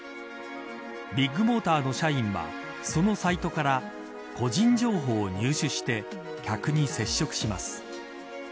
ビッグモーターの社員はそのサイトから個人情報を入手して客に接触します。